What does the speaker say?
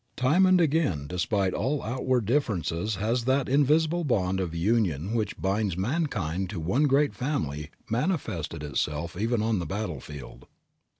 Time and again despite all outward differences has that invisible bond of union which binds mankind into one great family manifested itself even on the battlefield.